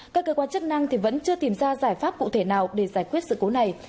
các cơ quan chức năng vẫn chưa tìm ra giải pháp cụ thể nào để giải quyết sự cố này